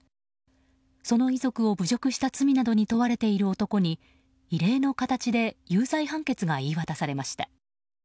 その遺族を侮辱した罪などに問われている男に異例の形で有罪判決が言い渡されました。